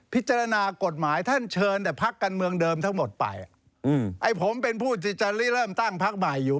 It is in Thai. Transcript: ผมเป็นผู้จิตริเริ่มตั้งพักใหม่อยู่